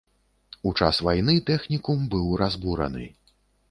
У час вайны тэхнікум быў разбураны.